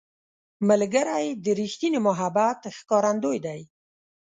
ملګری د ریښتیني محبت ښکارندوی دی